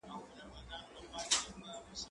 زه له سهاره د کتابتون لپاره کار کوم،